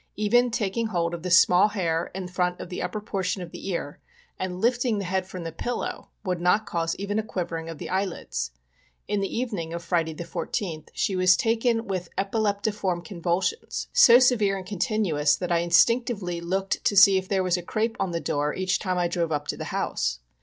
Even taking hold of the small hair in front of the upper portion of the ear, and lifting the head from the pillow, would not cause even a quivering of the eyelids. In the evening of Friday, the 14th, she was taken with epileptiform convulsions, so severe and continuous, that I instinctively looked to see if there was a crape on the door each time I drove up to the house.